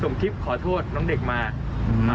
คุณธิชานุลภูริทัพธนกุลอายุ๓๔